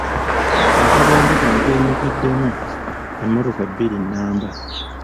Akabenje kano keenyigiddemu emmotoka bbiri nnamba.